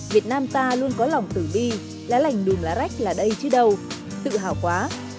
việt nam ta luôn có lòng tử bi lá lành đùm lá rách là đây chứ đâu tự hào quá